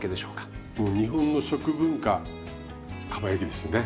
もう日本の食文化かば焼きですよね。